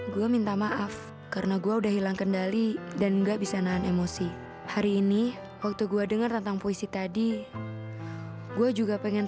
gia marah gak ya kalo gue cium